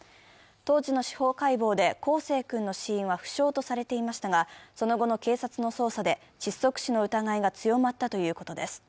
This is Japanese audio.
当時の司法解剖で康生君の死因は不詳とされていましたが、その後の警察の捜査で窒息死の疑いが強まったということです。